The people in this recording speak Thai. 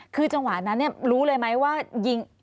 คือจังหวะนั้นรู้เลยไหมว่ายิง